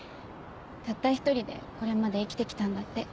たった１人でこれまで生きてきたんだって。